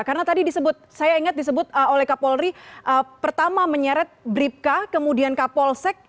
karena tadi disebut saya ingat disebut oleh kak polri pertama menyeret bribka kemudian kak polsek